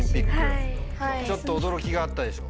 ちょっと驚きがあったでしょ。